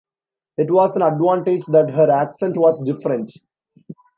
It was an advantage that her accent was different.